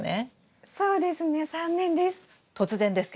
そうですね３年です。